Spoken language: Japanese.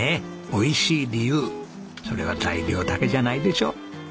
美味しい理由それは材料だけじゃないでしょ？